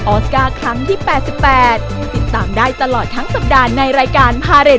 ออสการ์ครั้งที่แปดสิบแปดผู้ติดตามได้ตลอดทั้งสัปดาห์ในรายการพาเรดบันเทิง